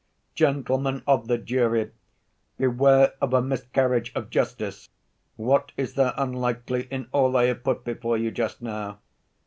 "Gentlemen of the jury, beware of a miscarriage of justice! What is there unlikely in all I have put before you just now?